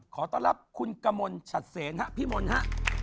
ขอต้อนรับคุณกมลฉัดเสนฮะพี่มนต์ฮะ